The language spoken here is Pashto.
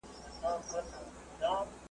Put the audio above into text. په بشپړه بې تفاوتي .